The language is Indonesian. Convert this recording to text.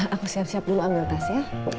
aku siap siap dulu ambil tas ya